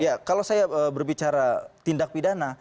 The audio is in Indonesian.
ya kalau saya berbicara tindak pidana